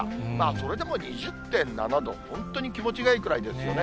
それでも２０．７度、本当に気持ちがいいくらいですよね。